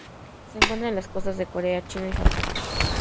Se encuentran en las costas de Corea, China y Japón.